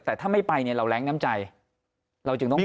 แต่ถ้าไม่ไปเนี่ยเราแรงน้ำใจเราจึงต้อง